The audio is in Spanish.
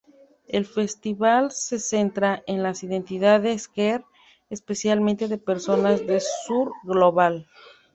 El festival se centra en las identidades "queer", especialmente de personas del sur global.